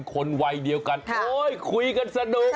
คนวัยเดียวกันโอ๊ยคุยกันสนุก